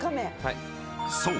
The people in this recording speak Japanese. ［そう。